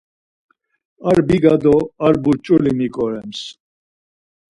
Ar biga do ar burç̌uli miǩorems.